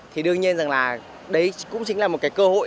thì đương nhiên là đấy cũng chính là một cơ hội